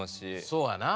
そうやな。